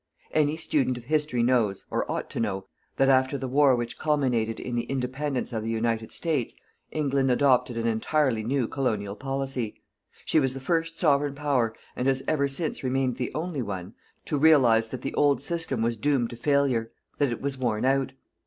Any student of History knows, or ought to know, that after the war which culminated in the independence of the United States, England adopted an entirely new colonial policy. She was the first Sovereign Power, and has ever since remained the only one, to realize that the old system was doomed to failure, that it was worn out.